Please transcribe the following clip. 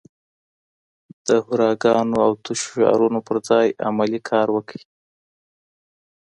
د هوراګانو او تشو شعارونو پر ځای عملي کار وکړئ.